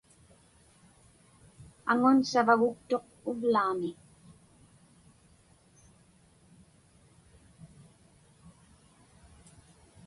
Aŋun savaguktuq uvlaami.